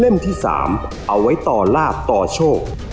ที่๓เอาไว้ต่อลาบต่อโชค